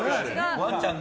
ワンちゃんの？